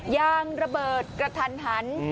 ยางระเบิดกระทันหัน